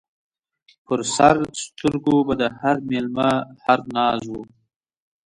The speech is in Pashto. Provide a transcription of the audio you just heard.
پر سر سترګو به د هر مېلمه هر ناز و